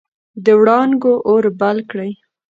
د وړانګو اور بل کړي